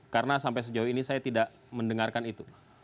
karena sampai sejauh ini saya tidak mendengarkan itu